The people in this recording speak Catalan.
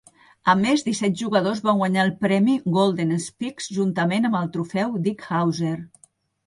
A més, disset jugadors van guanyar el premi Golden Spikes juntament amb el trofeu Dick Howser.